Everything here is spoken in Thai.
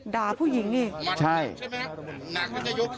ด่าผู้หญิงอีก